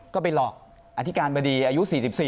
ก็ไปหลอกอธิการประเดียวอยู่๔๔